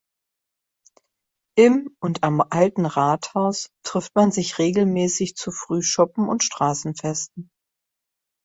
Im und am „Alten Rathaus“ trifft man sich regelmäßig zu Frühschoppen und Straßenfesten.